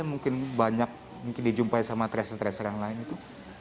mungkin banyak mungkin dijumpai sama tracer tracer yang lain itu